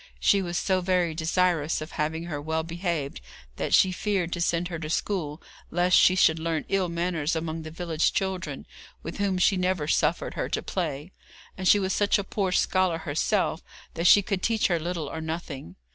She was so very desirous of having her well behaved that she feared to send her to school, lest she should learn ill manners among the village children, with whom she never suffered her to play, and she was such a poor scholar herself that she could teach her little or nothing.